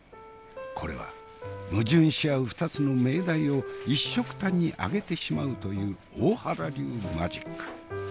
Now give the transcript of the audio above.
これは矛盾し合う２つの命題を一緒くたに揚げてしまうという大原流マジック。